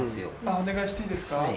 お願いしていいですか？